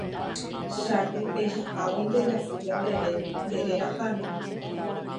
Cháke, peichaháguinte Jasy Jatere ndereraháne.